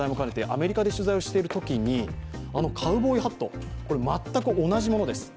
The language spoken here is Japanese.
アメリカで取材しているときにあのカウボーイハット全く同じものです。